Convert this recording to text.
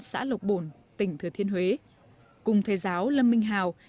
xã lộc bồn tỉnh thừa thiên huế cùng thầy giáo lâm minh hào